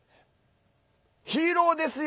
ヒーローですよ！